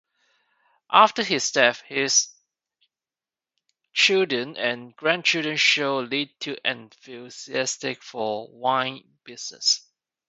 After his death, his children and grandchildren showed little enthusiasm for the wine business.